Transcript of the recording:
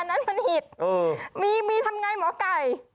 อันนั้นมันหิดมีมีทำไงหมอไก่